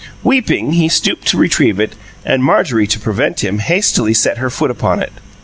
Weeping, he stooped to retrieve it, and Marjorie, to prevent him, hastily set her foot upon it.